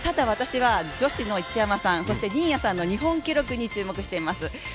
私は女子の一山さん、新谷さんの日本記録に注目しています。